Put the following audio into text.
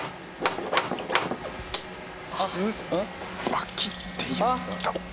バキッていった。